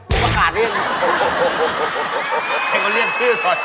เฮี้ยเขาเลี่ยงชื่อมาก